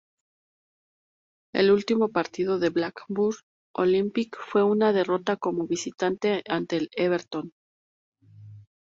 El último partido del Blackburn Olympic fue una derrota como visitante ante el Everton.